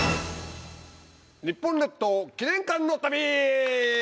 日本列島記念館の旅！